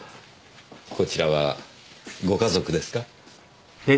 こちらはご家族ですか？